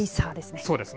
そうですね。